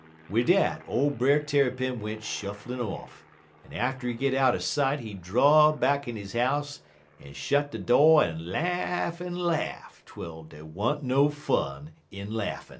"Wid dat ole Brer Tarrypin went shufflin' off, en atter he git outer sight he draw'd back in he house en shot de do' en laugh en laugh twel dey wa'n't no fun in laughin'."